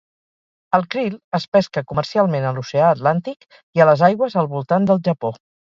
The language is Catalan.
El krill es pesca comercialment a l'oceà Atlàntic i a les aigües al voltant del Japó.